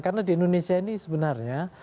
karena di indonesia ini sebenarnya